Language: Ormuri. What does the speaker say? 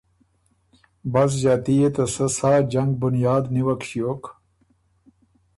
بس ݫاتي يې ته سۀ سا جنګ بنیاد نیوک ݭیوک